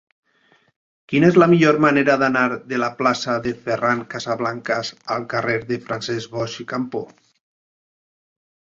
Quina és la millor manera d'anar de la plaça de Ferran Casablancas al carrer de Francesc Boix i Campo?